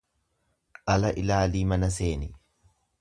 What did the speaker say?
Ala ilaalii mana seeni.